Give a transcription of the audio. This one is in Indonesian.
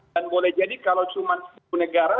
dan boleh jadi kalau cuma sepuluh negara